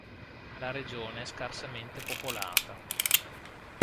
La regione è scarsamente popolata.